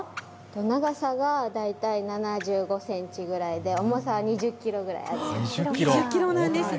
長さが大体７５センチぐらいで重さは２０キロぐらいあります。